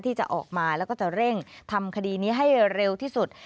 ที่จะออกมาแล้วก็จะเร่งทำคดีนี้ให้เร็วที่สุด